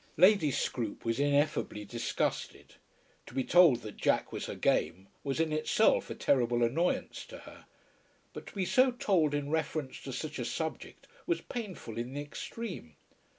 Lady Scroope was ineffably disgusted. To be told that "Jack was her game" was in itself a terrible annoyance to her. But to be so told in reference to such a subject was painful in the extreme.